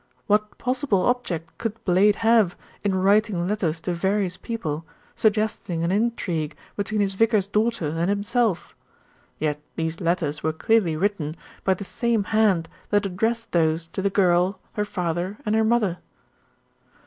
What possible object could Blade have in writing letters to various people suggesting an intrigue between his vicar's daughter and himself; yet these letters were clearly written by the same hand that addressed those to the girl, her father and her mother."